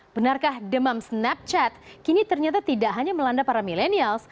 benarkah demam snapchat kini ternyata tidak hanya melanda para milenials